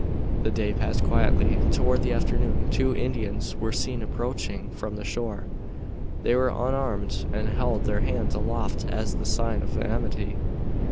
The day passed quietly. Toward the afternoon two Indians were seen approaching from the shore. They were unarmed and held their hands aloft as a sign of amity.